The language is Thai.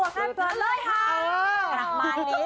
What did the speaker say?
ออกมาทีนี้ทุกผู้ชม